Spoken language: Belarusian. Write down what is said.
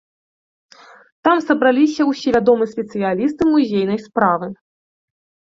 Там сабраліся ўсе вядомыя спецыялісты музейнай справы.